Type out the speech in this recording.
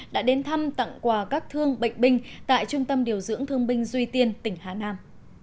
đã đến thăm tặng quà các thương bệnh binh tại trung tâm điều dưỡng thương binh duy tiên tỉnh hà nam